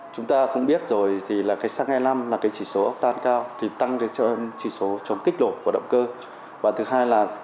chúng ta không biết rồi thì là cái xăng e năm là cái chỉ số tan cao thì tăng cái chỉ số chống kích đổ của động cơ và thứ hai là